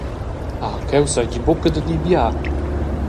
Ah, cheu seigi buca da dir bia.